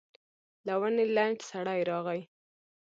له ونې لنډ سړی راغی.